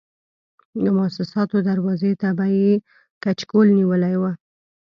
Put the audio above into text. د موسساتو دروازې ته به یې کچکول نیولی و.